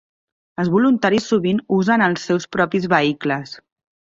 Els voluntaris sovint usen els seus propis vehicles.